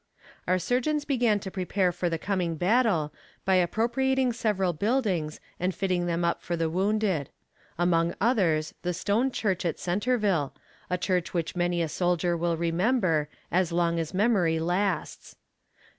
Our surgeons began to prepare for the coming battle, by appropriating several buildings and fitting them up for the wounded among others the stone church at Centerville a church which many a soldier will remember, as long as memory lasts.